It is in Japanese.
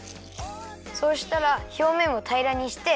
そうしたらひょうめんをたいらにして。